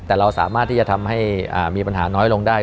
แต่เราสามารถที่จะทำให้มีปัญหาน้อยลงได้